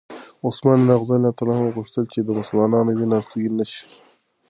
عثمان رض غوښتل چې د مسلمانانو وینه توی نه شي.